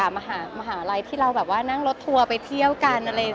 มหาลัยที่เรานั่งรถทัวร์ไปเที่ยวกัน